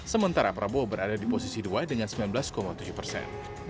sementara prabowo berada di posisi dua dengan sembilan belas tujuh persen